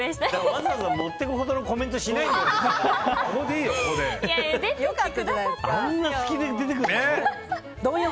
わざわざ持っていくほどのコメントしていないよ。